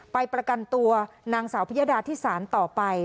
ประกันตัวนางสาวพิยดาที่ศาลต่อไป